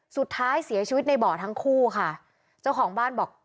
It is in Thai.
สุดท้ายเสียชีวิตในบ่อทั้งคู่ค่ะเจ้าของบ้านบอก